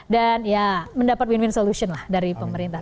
dan ya mendapat win win solution lah dari pemerintah